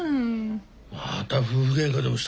また夫婦げんかでもしたのか？